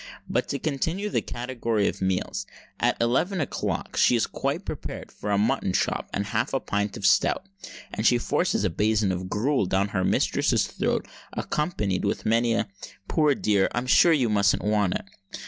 But—to continue the category of meals—at eleven o'clock she is quite prepared for a mutton chop and half a pint of stout; and she forces a basin of gruel down her mistress's throat, accompanied with many a "Poor dear, I'm sure you must want it!"